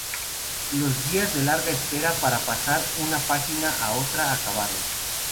Los días de larga espera para pasar de una página a otra acabaron.